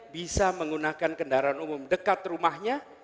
bisa menggunakan kendaraan umum dekat rumahnya